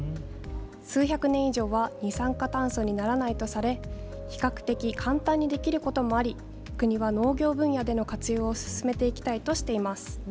数百年以上は二酸化炭素にならないとされ、比較的簡単にできることもあり国は農業分野での活用を進めていきたいとしています。